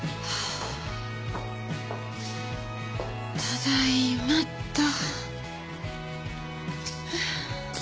ただいまっと。